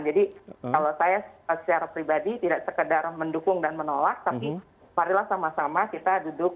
jadi kalau saya secara pribadi tidak sekedar mendukung dan menolak tapi marilah sama sama kita duduk untuk meluruskan